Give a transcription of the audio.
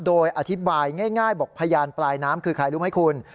โดยอธิบายง่ายบอกพยานปลายน้ำคือใครรู้ไหมคุณ